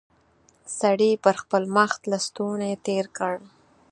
سړي پر خپل مخ لستوڼی تېر کړ.